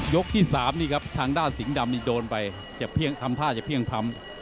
ที่๓นี่ครับทางด้านสิงห์ดำนี่โดนไปเจ็บทำท่าจะเพลี่ยงพร้ำ